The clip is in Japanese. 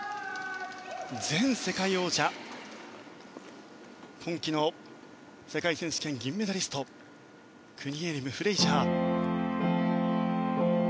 前世界王者今季の世界選手権、銀メダリストクニエリム、フレイジャー。